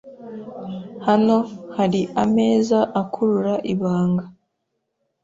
Hano hari ameza akurura ibanga .